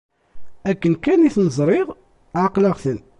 Akken kan i ten-ẓriɣ ɛeqleɣ-ten.